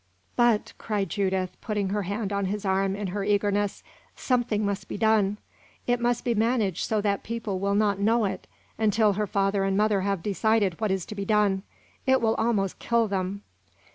"But," cried Judith, putting her hand on his arm in her eagerness, "something must be done. It must be managed so that people shall not know it, until her father and mother have decided what is to be done. It will almost kill them!"